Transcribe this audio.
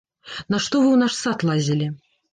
Нашто вы ў наш сад лазілі?